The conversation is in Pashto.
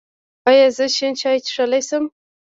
ایا زه شین چای څښلی شم؟